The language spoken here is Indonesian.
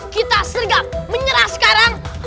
kalian sudah menyerah sekarang